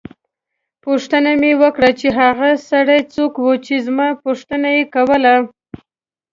پوښتنه مې وکړه چې هغه سړی څوک وو چې زما پوښتنه یې کوله.